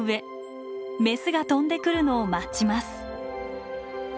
メスが飛んでくるのを待ちます。